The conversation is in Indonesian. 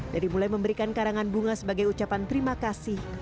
dari mulai memberikan karangan bunga sebagai ucapan terima kasih